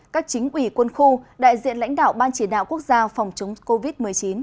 các chính ủy quân khu đại diện lãnh đạo ban chỉ đạo quốc gia phòng chống covid một mươi chín